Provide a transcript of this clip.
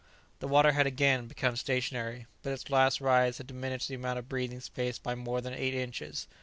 The water had again become stationary, but its last rise had diminished the amount of breathing space by more than eight inches.